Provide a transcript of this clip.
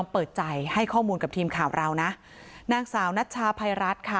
เปิดใจให้ข้อมูลกับทีมข่าวเรานะนางสาวนัชชาภัยรัฐค่ะ